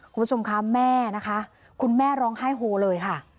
คุณผู้ชมคะแม่นะคะคุณแม่ร้องไห้โฮเลยค่ะ